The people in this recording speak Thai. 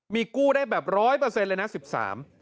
มีกู้แบบร้อยเปอร์เซ็นต์เลยนะ๑๓